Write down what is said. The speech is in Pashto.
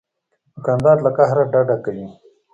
دوکاندار له قهره ډډه کوي.